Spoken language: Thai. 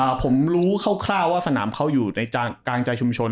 ผมรู้คร่าวคร่าวว่าสนามเขาอยู่ในกลางใจชุมชน